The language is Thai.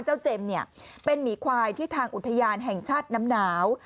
เจมส์เนี่ยเป็นหมีควายที่ทางอุทยานแห่งชาติน้ำหนาว